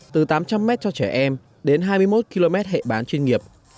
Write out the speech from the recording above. từ tám trăm linh m cho trẻ em đến hai mươi một km hệ bán chuyên nghiệp